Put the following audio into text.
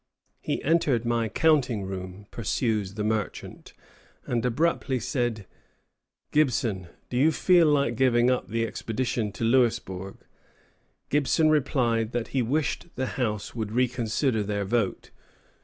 "He entered my counting room," pursues the merchant, "and abruptly said, 'Gibson, do you feel like giving up the expedition to Louisbourg?'" Gibson replied that he wished the House would reconsider their vote.